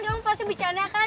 kamu pasti bercanda kan